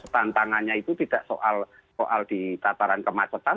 tantangannya itu tidak soal di tataran kemacetan